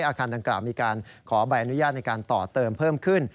อาคารดังกล่าวมีการขอใบอนุญาตในการต่อเติมเพิ่มขึ้น